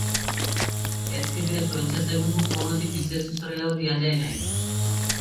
ଏଥିରେ ସ୍ୱେଚ୍ଛାସେବୀଙ୍କୁ କୌଣସି ବିଶେଷ ଶ୍ରେୟ ଦିଆଯାଏନି ।